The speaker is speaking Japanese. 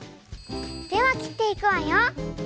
ではきっていくわよ。